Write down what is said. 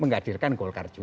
menghadirkan golkar juga